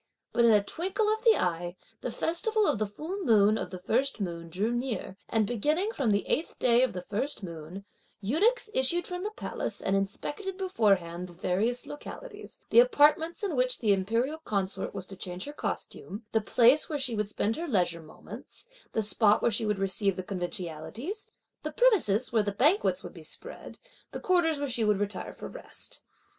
But in a twinkle of the eye, the festival of the full moon of the first moon drew near; and beginning from the eighth day of the first moon, eunuchs issued from the palace and inspected beforehand the various localities, the apartments in which the imperial consort was to change her costume; the place where she would spend her leisure moments; the spot where she would receive the conventionalities; the premises where the banquets would be spread; the quarters where she would retire for rest.